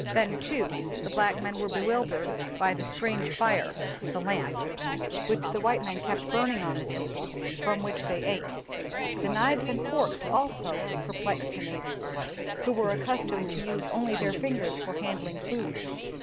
Then too the black men were bewildered by the strange fire [the lamp] which the white men kept burning on the table from which they ate. The knives and forks also perplexed the natives, who were accustomed to use only their fingers for handling food.